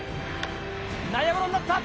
内野ゴロになった。